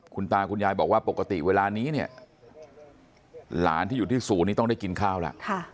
คุณตาคุณยายบอกว่าปกติเวลานี้เนี่ยหลานที่อยู่ที่ศูนย์นี้ต้องได้กินข้าวล่ะ